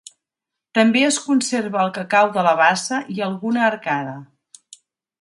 També es conserva el cacau de la bassa i alguna arcada.